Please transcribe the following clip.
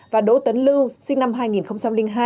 và đỗ tấn lưu sinh năm hai nghìn hai